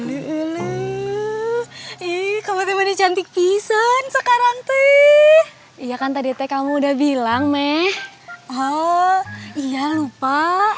iiih kamu temen cantik pisan sekarang teh iya kan tadi teh kamu udah bilang meh oh iya lupa